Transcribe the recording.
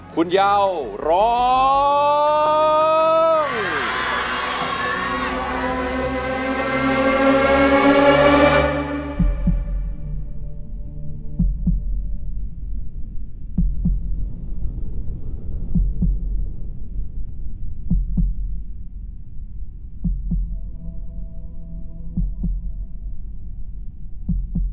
คุณเยาร้อง